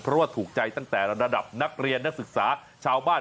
เพราะว่าถูกใจตั้งแต่ระดับนักเรียนนักศึกษาชาวบ้าน